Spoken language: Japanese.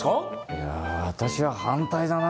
いや私は反対だな。